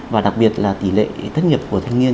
và đặc biệt là tỷ lệ thất nghiệp của thanh niên